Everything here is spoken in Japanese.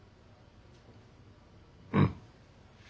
うん。